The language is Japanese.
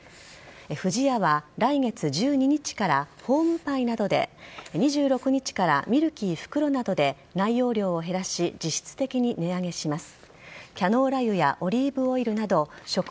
不二家は来月１２日からホームパイなどで２６日からミルキー袋などで内容量を減らし実質的に値上げします。